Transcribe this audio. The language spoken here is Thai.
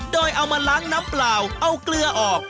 โดยเอามาล้างน้ำเปล่าเอาเกลือออก